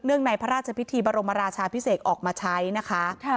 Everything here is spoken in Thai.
ในพระราชพิธีบรมราชาพิเศษออกมาใช้นะคะ